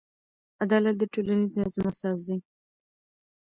عدالت د ټولنیز نظم اساس دی.